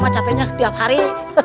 capeknya tiap hari